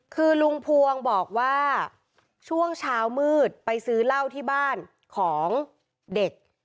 คือลุงพวงบอกว่าช่วงเช้ามืดไปซื้อเหล้าที่บ้านของเด็ก